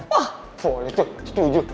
wah boleh tuh setuju